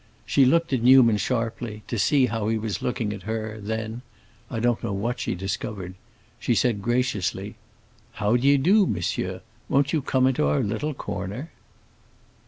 She looked at Newman sharply, to see how he was looking at her, then—I don't know what she discovered—she said graciously, "How d' ye do, monsieur? won't you come into our little corner?"